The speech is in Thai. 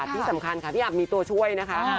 ที่สำคัญค่ะพี่อำมีตัวช่วยนะคะ